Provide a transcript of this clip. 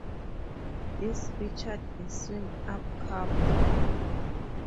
This featured a swing-up coupler.